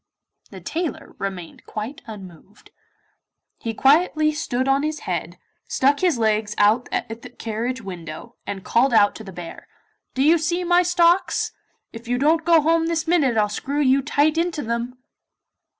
The tailor remained quite unmoved. He quietly stood on his head, stuck his legs out at the carriage window and called out to the bear, 'Do you see my stocks? If you don't go home this minute I'll screw you tight into them.